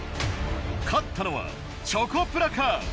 勝ったのはチョコプラか？